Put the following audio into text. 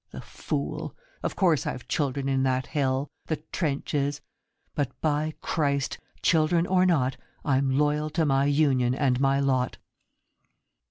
The fool ! Of course I've children in that hell The trenches : but by Christ ! Children or not I'm loyal to my union and my lot.